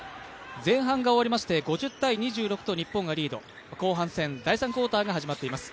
前半が終わりまして５０−２６と日本がリード、後半戦、第３クオーターが始まっています。